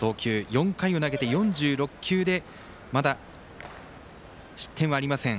４回を投げて４６球でまだ失点はありません。